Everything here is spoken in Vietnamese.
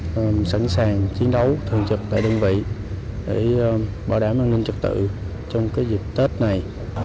cũng sẵn sàng chiến đấu thường trực tại đơn vị để bảo đảm an ninh trật tự trong dịp tết này